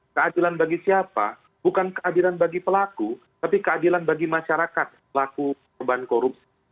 keadilan bagi siapa bukan keadilan bagi pelaku tapi keadilan bagi masyarakat pelaku perban korupsi